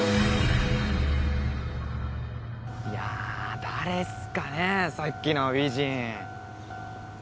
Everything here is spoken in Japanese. いや誰っすかねさっきの美人。